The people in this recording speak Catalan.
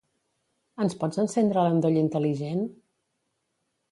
Ens pots encendre l'endoll intel·ligent?